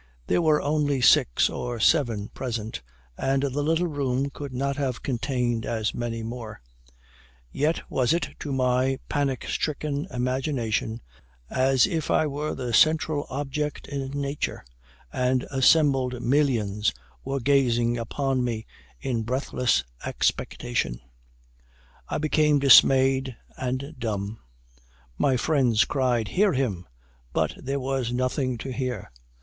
There were only six or seven present, and the little room could not have contained as many more; yet was it, to my panic stricken imagination, as if I were the central object in nature, and assembled millions were gazing upon me in breathless expectation. I became dismayed and dumb. My friends cried 'Hear him!' but there was nothing to hear.